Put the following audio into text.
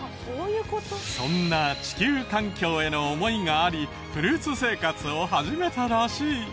そんな地球環境への思いがありフルーツ生活を始めたらしい。